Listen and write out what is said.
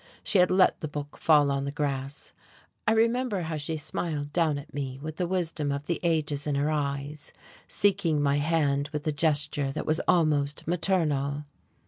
She had let the book fall on the grass. I remember how she smiled down at me with the wisdom of the ages in her eyes, seeking my hand with a gesture that was almost maternal.